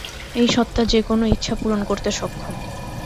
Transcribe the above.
এই সত্তা যে কোনো ইচ্ছা পুরণ করতে সক্ষম।